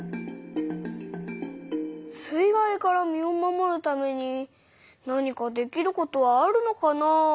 水害から身を守るために何かできることはあるのかなあ？